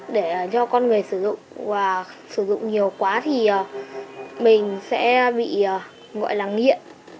để cho con người sử dụng và sử dụng nhiều quá thì mình sẽ bị gọi là nghiện